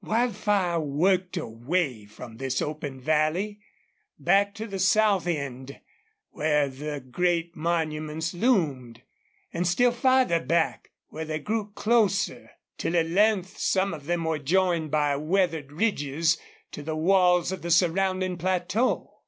Wildfire worked away from this open valley, back to the south end, where the great monuments loomed, and still farther back, where they grew closer, till at length some of them were joined by weathered ridges to the walls of the surrounding plateau.